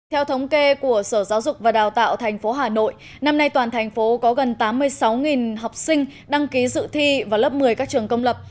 theo thống kê của sở giáo dục và đào tạo tp hà nội năm nay toàn thành phố có gần tám mươi sáu học sinh đăng ký dự thi vào lớp một mươi các trường công lập